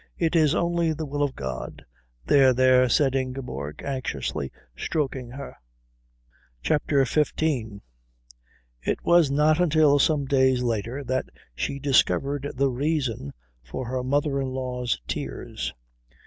It is only the will of God." "There, there," said Ingeborg, anxiously stroking her. CHAPTER XV It was not until some days later that she discovered the reason for her mother in law's tears.